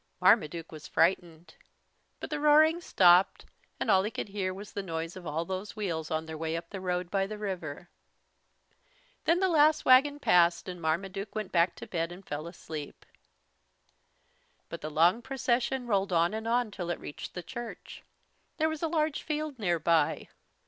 Marmaduke was frightened. But the roaring stopped, and all he could hear was the noise of all those wheels on their way up the road by the river. Then the last wagon passed and Marmaduke went back to bed and fell asleep. But the long procession rolled on and on till it reached the church. There was a large field nearby.